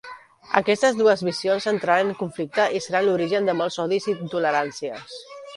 Aquestes dues visions entraran en conflicte i seran l'origen de molts odis i intoleràncies.